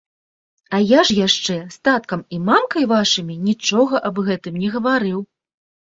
А я ж яшчэ з таткам і мамкай вашымі нічога аб гэтым не гаварыў.